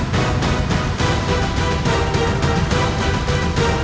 bisik dengan saling men chem